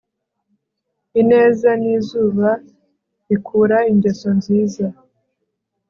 ineza ni izuba rikura ingeso nziza